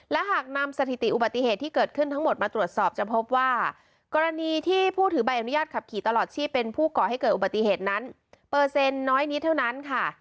และหากนำสถิติอุบัติเหตุที่เกิดขึ้นทั้งหมดมาตรวจสอบจะพบว่ากรณีที่ผู้ถือใบอนุญาตขับขี่ตลอดชีพเป็นผู้ก่อให้เกิดอุบัติเหตุนั้นเปอร์เซ็นต์น้อยนิดเท่านั้นค่ะ